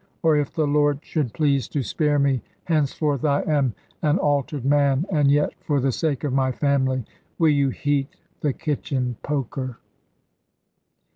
Or if the Lord should please to spare me, henceforth I am an altered man. And yet, for the sake of my family, will you heat the kitchen poker?"